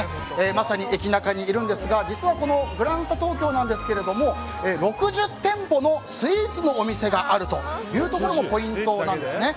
まさに駅ナカにいるんですが実はグランスタ東京なんですけど６０店舗のスイーツのお店があるというところもポイントなんですね。